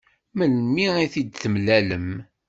Melmi i t-id-temlalem?